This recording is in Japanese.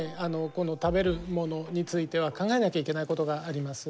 この食べるものについては考えなきゃいけないことがあります。